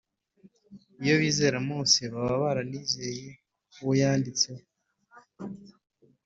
. Iyo bizera Mose baba baranizeye uwo yanditseho.